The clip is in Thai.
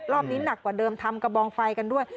นี้หนักกว่าเดิมทำกระบองไฟกันด้วย